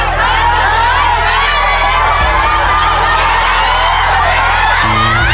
แบบนี้